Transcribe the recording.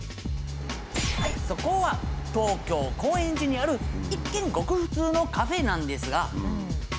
そこは東京高円寺にある一見ごく普通のカフェなんですが。